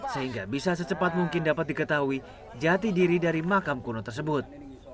sehingga bisa secepat mungkin dapat diketahui jati diri dari makam kuno tersebut